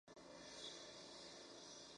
El ganador obtuvo el campeonato del torneo.